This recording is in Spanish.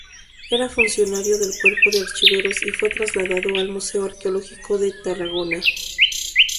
Era funcionario del Cuerpo de Archiveros y fue trasladado al Museo Arqueológico de Tarragona.